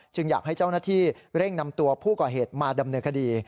อยากให้เจ้าหน้าที่เร่งนำตัวผู้ก่อเหตุมาดำเนินคดี